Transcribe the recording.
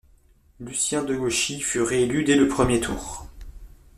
Lucien Degauchy fut réélu dès le premier tour.